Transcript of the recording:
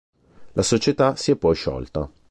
La società si è poi sciolta.